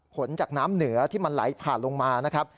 ผลจากน้ำเหนือที่มันไหลผ่านลงมานะครับ